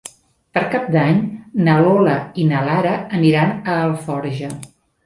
Per Cap d'Any na Lola i na Lara aniran a Alforja.